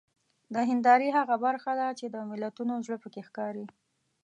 د هیندارې هغه برخه ده چې د ملتونو زړه پکې ښکاري.